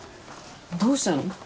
どうしたの？